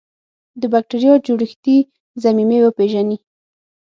د بکټریا جوړښتي ضمیمې وپیژني.